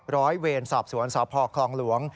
ร้อยเวรสอบสวนสพคลองหลวง